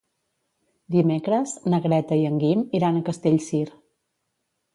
Dimecres na Greta i en Guim iran a Castellcir.